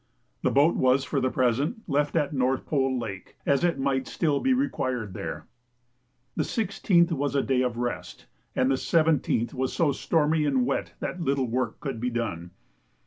The boat was for the present left at North Pole Lake, as it might still be required there. The 16th was a day of rest, and the 17th was so stormy and wet that little work could be done.